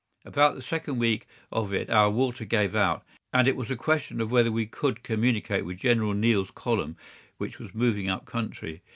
About the second week of it our water gave out, and it was a question whether we could communicate with General Neill's column, which was moving up country.